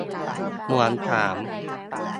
เหมือนถาม